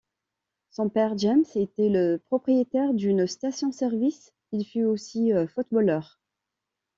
Son père, James, était le propriétaire d'une station-service, il fut aussi footballeur.